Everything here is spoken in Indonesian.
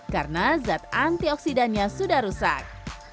karena zat antioksidannya sudah rusak